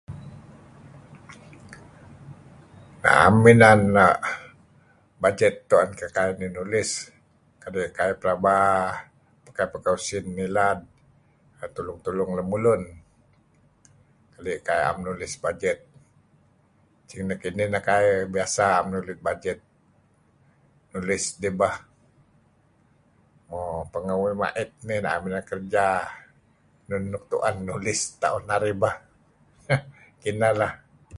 Naem uih enan uhm bajet tuen kai nih nulis kadi' kai pelaba pakai usin ngilad tulung-tulung lemulun. Kadi' kai am nulis bajet. Nekinih nah kai biasa am nulis bajet nulis dih bah. Mo pangeh uih mait naem uih kerja. Enun nuk tuen nulis. Taut narih bah. Kineh lah.